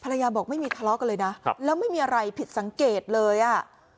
บอกไม่มีทะเลาะกันเลยนะครับแล้วไม่มีอะไรผิดสังเกตเลยอ่ะ